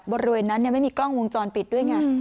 บริเวณนั้นไม่มีกล้องวงจรปิดด้วยไง